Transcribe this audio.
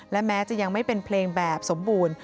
และแม้จะยังไม่เป็นเพลงแบบสมบูรณ์